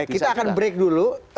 kita akan break dulu